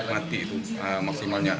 mati itu maksimalnya